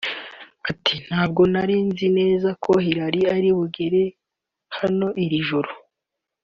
Ati “Ntabwo nari nzi neza ko Hillary ari bugere hano iri joro